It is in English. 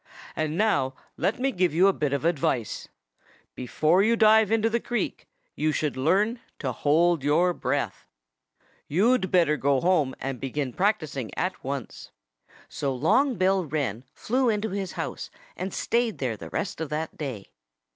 "And now let me give you a bit of advice. Before you dive into the creek you should learn to hold your breath. ... "You'd better go home and begin practising at once." So Long Bill Wren flew into his house and stayed there the rest of that day.